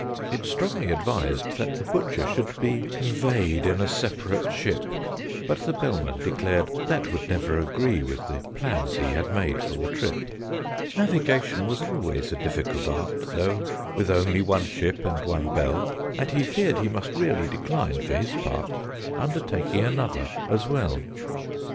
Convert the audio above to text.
It strongly advised that the Butcher should be Conveyed in a separate ship: But the Bellman declared that would never agree With the plans he had made for the trip: [Illustration: "THE BEAVER KEPT LOOKING THE OPPOSITE WAY"] Navigation was always a difficult art, Though with only one ship and one bell: And he feared he must really decline, for his part, Undertaking another as well.